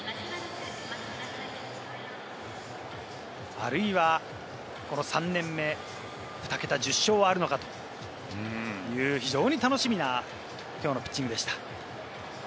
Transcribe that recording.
あるいは、この３年目、２桁、１０勝はあるのかという非常に楽しみなきょうのピッチングでした。